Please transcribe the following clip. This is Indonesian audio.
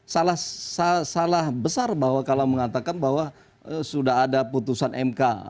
salah besar bahwa kalau mengatakan bahwa sudah ada putusan mk